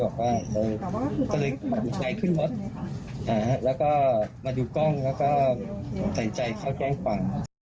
ก็เลยอุดใจขึ้นรถมาดูกล้องแล้วใส่ใจเขาแก้วฝั่ง